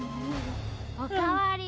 お代わり！